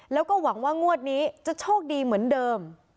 แล้วก็หวังว่างวดนี้จะโชคดีเหมือนเดิม